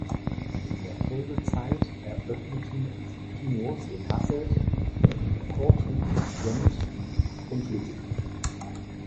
In der Folgezeit eröffneten sie Kinos in Hasselt, Kortrijk, Gent und Lüttich.